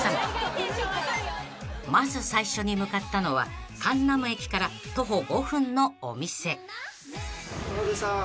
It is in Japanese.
［まず最初に向かったのは江南駅から徒歩５分のお店］